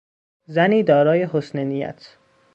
زنی دارای حسن نیت